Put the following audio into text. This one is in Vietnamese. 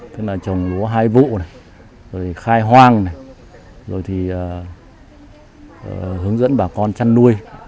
tức là chồng bố hai vụ khai hoang hướng dẫn bà con chăn nuôi